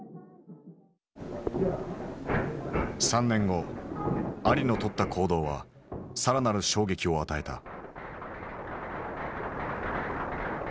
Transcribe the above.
３年後アリのとった行動は更なる衝撃を与えた。